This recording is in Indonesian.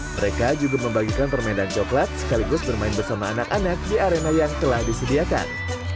mereka juga membagikan permainan coklat sekaligus bermain bersama anak anak di arena yang telah disediakan